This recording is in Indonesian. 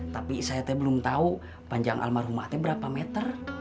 tapi saya belum tahu panjang almarhumah at berapa meter